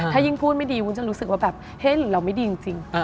ถ้ายิ่งพูดไม่ดีวุ้นจะรู้สึกว่าแบบเฮ้หรือเราไม่ดีจริง